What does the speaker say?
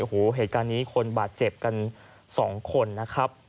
โอ้โหเหตุการณ์นี้คนบาดเจ็บกัน๒คนนะครับ